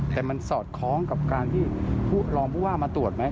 แต่มันสอดคล้องกับการที่ผู้รองผู้ว่ามาตรวจไหม